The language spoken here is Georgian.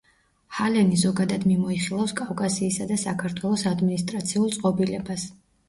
ჰალენი ზოგადად მიმოიხილავს კავკასიისა და საქართველოს ადმინისტრაციულ წყობილებას.